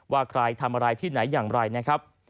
ว่าใครทำอะไรที่ไหนอย่างไรนะครับ